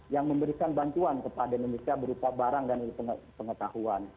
yang memberikan bantuan kepada indonesia berupa barang dan ilmu pengetahuan